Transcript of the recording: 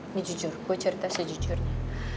ini jujur gue cerita sejujurnya